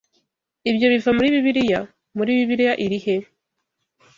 "Ibyo biva muri Bibiliya?" "Muri Bibiliya iri he?"